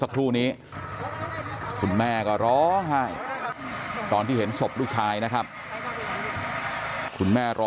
ครูนี้คุณแม่ก็ร้องไห้ตอนที่เห็นศพลูกชายนะครับคุณแม่รอ